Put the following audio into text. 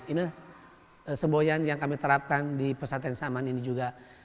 ini semboyan yang kami terapkan di pesantren saman ini juga